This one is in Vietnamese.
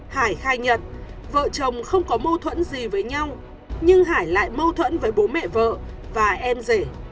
hải khai nhận vợ chồng không có mâu thuẫn gì với nhau nhưng hải lại mâu thuẫn với bố mẹ vợ và em rể